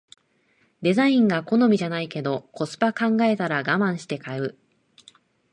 デザインが好みじゃないけどコスパ考えたらガマンして買う